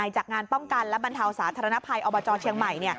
จากงานป้องกันและบรรเทาสาธารณภัยอบจเชียงใหม่